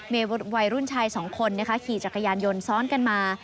เมวัยรุ่นชาย๒คนขี่จักรยานยนต์ซ้อนกันมา